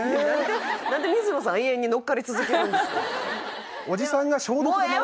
何で水野さん永遠に乗っかり続けるんですか？